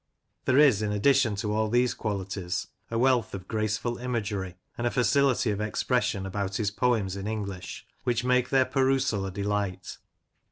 There is, in addition to all these qualities, a wealth of graceful imagery, and a facility of expression about his poems in English, which make their perusal a delight.